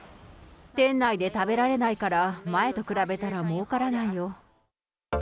店内で食べられないから、前と比べたらもうからないよ。